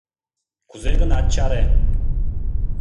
— Кузе гынат чаре!